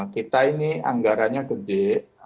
kita ini anggaranya gede